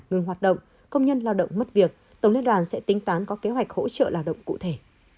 ngừng hoạt động công nhân lao động mất việc tổng liên đoàn sẽ tính toán có kế hoạch hỗ trợ lao động cụ thể